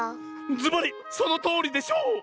ずばりそのとおりでしょう！